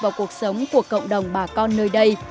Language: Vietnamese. vào cuộc sống của cộng đồng bà con nơi đây